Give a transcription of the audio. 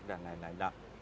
pada solar dan lain lain